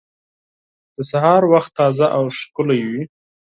د سهار وخت تازه او ښکلی وي.